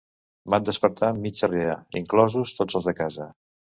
Van despertar mig Sarrià, inclosos tots els de casa.